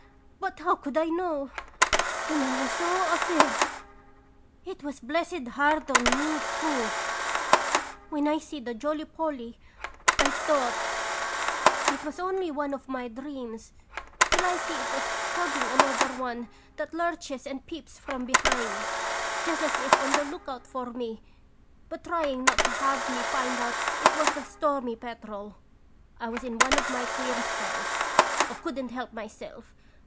But how could I know ? And I was so afeard ! It was blessed hard on me, too ! When I see the Jolly Polly I thought it was only one of my dreams till I see it was tugging another one that lurches and peeps from behind just as if on the lookout for me, but trying not to have me find out it was the Stormy Petrel. I was in one of my queer spells. I could n't help myself.